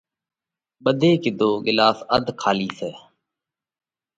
ٻڌي ڪِيڌو: ڳِلاس اڌ کالِي سئہ۔